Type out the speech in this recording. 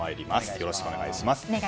よろしくお願いします。